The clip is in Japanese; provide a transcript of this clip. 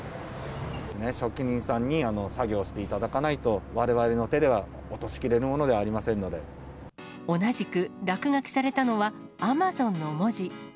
職人さんに作業していただかないと、われわれの手では落としきれ同じく、落書きされたのはＡｍａｚｏｎの文字。